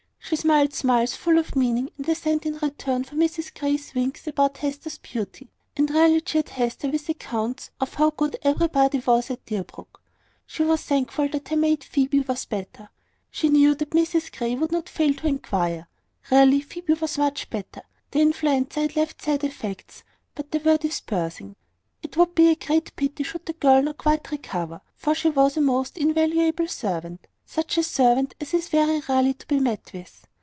She smiled smiles full of meaning and assent in return for Mrs Grey's winks about Hester's beauty; and really cheered Hester with accounts of how good everybody was at Deerbrook. She was thankful that her maid Phoebe was better; she knew that Mrs Grey would not fail to inquire; really Phoebe was very much better; the influenza had left sad effects, but they were dispersing. It would be a pity the girl should not quite recover, for she was a most invaluable servant such a servant as is very rarely to be met with.